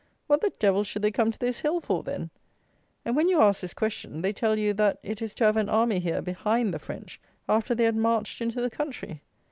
What the devil should they come to this hill for, then? And, when you ask this question, they tell you that it is to have an army here behind the French, after they had marched into the country!